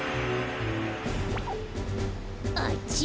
あっち？